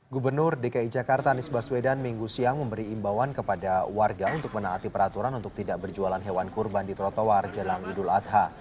gubernur dki jakarta anies baswedan minggu siang memberi imbauan kepada warga untuk menaati peraturan untuk tidak berjualan hewan kurban di trotoar jelang idul adha